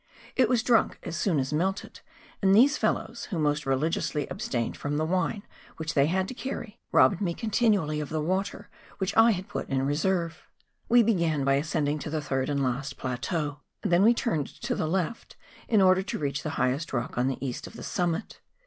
It was drunk as soon as melted; and these fellows who most religiously abstained from the wine which they had to carry, robbed me continually of the water which I had put in reserve. We began by ascending to the third and last plateau; then we turned to the left in order to reach the highest rock on the east of the summit.